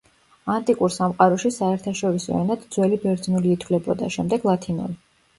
ანტიკურ სამყაროში საერთაშორისო ენად ძველი ბერძნული ითვლებოდა, შემდეგ ლათინური.